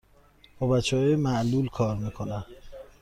با بچه های معلول کار می کنم.